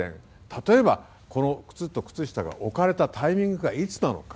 例えば靴と靴下が置かれたタイミングがいつなのか。